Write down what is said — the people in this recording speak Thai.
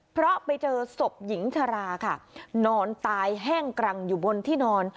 เพราะไปเจอศพหญิงชราค่ะนอนตายแห้งกรังอยู่บนที่นอน